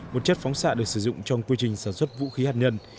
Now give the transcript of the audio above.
một chất phóng xạ được sử dụng trong quy trình sản xuất vũ khí hạt nhân